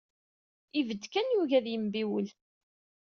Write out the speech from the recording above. Ibedd kan, yugi ad yembiwel.